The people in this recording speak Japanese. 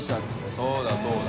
そうだそうだ。